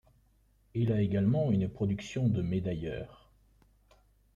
Il a également une production de médailleur.